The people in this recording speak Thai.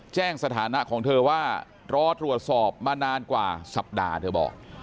สถานะของเธอว่ารอตรวจสอบมานานกว่าสัปดาห์เธอบอก